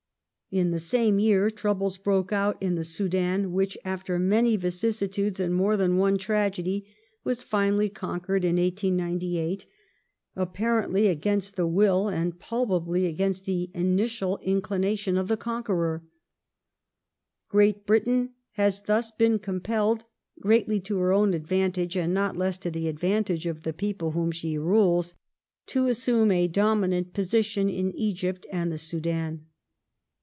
In the same year troubles broke out in the Soudan which, after many vicissitudes and more than one tragedy, was finally conquered ^ Bonaparte to the Directory, August i6th, 1797. 1901] IRELAND 13 in 1898, apparently against the will, and palpably against the initial inclination of the conqueror. Great Britain has thus been compelled, greatly to her own advantage and not less to the ad vantage of the people whom she rules, to assume a dominant posi tion in Egypt and the Soudan.